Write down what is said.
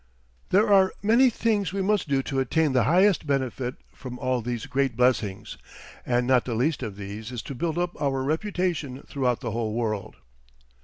There are many things we must do to attain the highest benefit from all these great blessings; and not the least of these is to build up our reputation throughout the whole world.